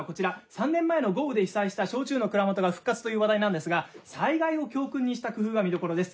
３年前の豪雨で被災した焼酎の蔵元が復活という話題なんですが災害を教訓にした工夫が見どころです。